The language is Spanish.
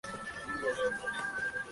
Estigma capitado-deprimido.